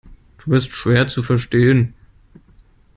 Du bist schwer zu verstehen.